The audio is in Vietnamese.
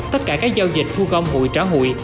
tất cả các giao dịch thu gom hùi trả hùi